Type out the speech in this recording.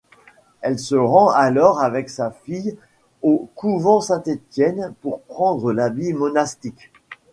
Elle se rend alors avec sa fille au couvent Saint-Étienne pour prendre l'habit monastique.